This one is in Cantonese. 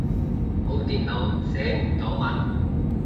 冇電腦，寫唔到文